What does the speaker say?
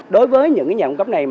đối với những nhà công cấp này